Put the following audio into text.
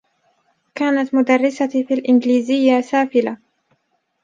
كانت مدرّستي في الإنجليزيّة سافلة.